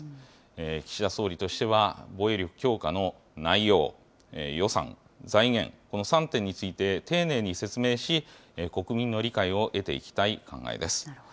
岸田総理としては、防衛力強化の内容、予算、財源、この３点について丁寧に説明し、国民の理解を得ていきたい考えです。